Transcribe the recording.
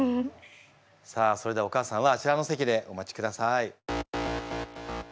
さあそれではお母さんはあちらの席でお待ちください。